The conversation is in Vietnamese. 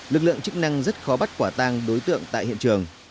lực lượng chức năng rất khó bắt quả tang đối tượng tại hiện trường